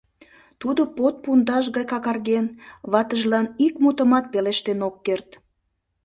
Тудо под пундаш гай какарген, ватыжлан ик мутымат пелештен ок керт.